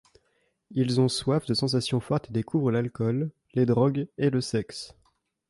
Ils ont soif de sensations fortes et découvrent l'alcool, les drogues et le sexe.